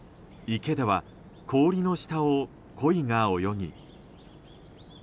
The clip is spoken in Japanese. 池では氷の下をコイが泳ぎ。